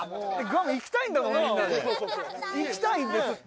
行きたいんですって。